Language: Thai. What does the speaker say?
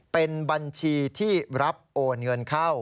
เป็นบัญชีที่รับโอนเงินเข้า